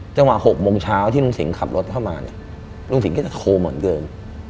จังหวะ๖โมงเช้าที่ลุงสิงขับรถเข้ามาลุงสิงก็จะโทรหมดเกิน